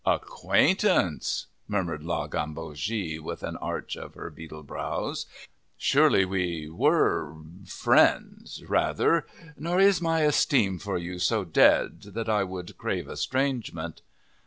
"Acquaintance!" murmured La Gambogi, with an arch of her beetle brows. "Surely we were friends, rather, nor is my esteem for you so dead that I would crave estrangement."